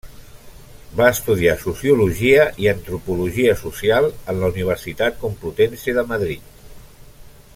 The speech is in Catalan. Va estudiar Sociologia i Antropologia Social en la Universitat Complutense de Madrid.